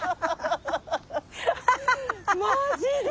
マジで？